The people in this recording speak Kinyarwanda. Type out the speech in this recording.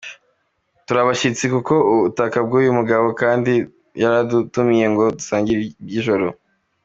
Turi abashyitsi ku butaka bw’uyu mugabo kandi yaradutumiye ngo dusangire iby’ijoro.